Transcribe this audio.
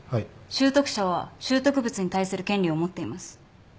拾得者は拾得物に対する権利を持っています。